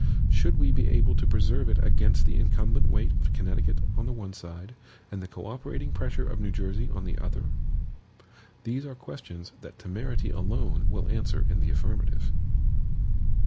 Should we be able to preserve it against the incumbent weight of Connecticut on the one side, and the co operating pressure of New Jersey on the other? These are questions that temerity alone will answer in the affirmative.